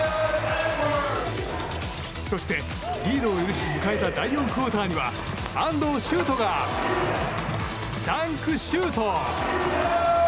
そして、リードを許し迎えた第４クオーターには安藤周人がダンクシュート！